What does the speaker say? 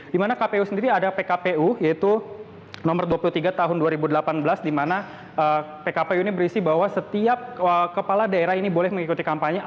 di mana kpu sendiri ada pkpu yaitu nomor dua puluh tiga tahun dua ribu delapan belas di mana pkpu ini berisi bahwa setiap kepala daerah ini boleh mengikuti kampanye